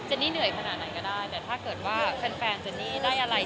อันนั้นหนักหน่อยก่อนจะผ่านด่างได้